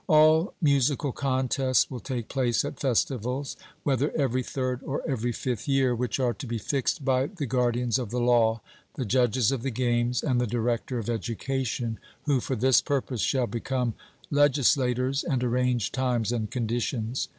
All musical contests will take place at festivals, whether every third or every fifth year, which are to be fixed by the guardians of the law, the judges of the games, and the director of education, who for this purpose shall become legislators and arrange times and conditions.